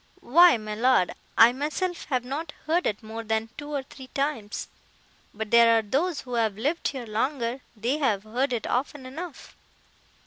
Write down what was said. "Why, my Lord, I myself have not heard it more than two or three times, but there are those who have lived here longer, that have heard it often enough."